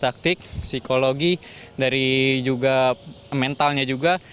dari segi taktik psikologi dari juga mentalnya juga